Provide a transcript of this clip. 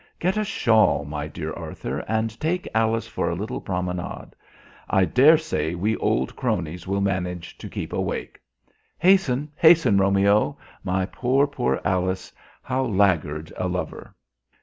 Get a shawl, my dear Arthur, and take Alice for a little promenade. I dare say we old cronies will manage to keep awake. Hasten, hasten, Romeo! My poor, poor Alice, how laggard a lover!"